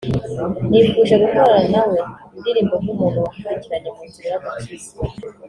nifuje gukorana na we indirimbo nk’umuntu wankuriranye mu nzira y’agakiza